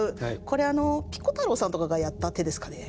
これあのピコ太郎さんとかがやった手ですかね。